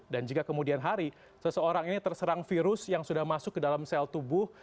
dan jika kemudian hari seseorang ini terserang virus yang sudah masuk ke dalam sel tubuh